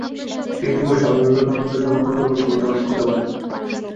সেই দিবস স্বামী বিবেকানন্দ সনাতনধর্ম সম্বন্ধে অনেক কথা বলেন।